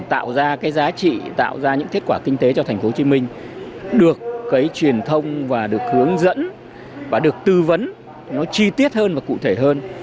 tạo ra giá trị tạo ra những kết quả kinh tế cho tp hcm được truyền thông hướng dẫn tư vấn chi tiết hơn và cụ thể hơn